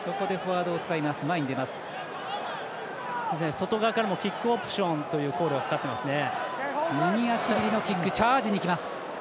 外側からもキックオプションとコールがかかっていますね。